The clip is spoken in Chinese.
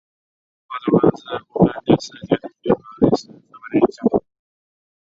画中画是部分电视接收器和类似设备的一项功能。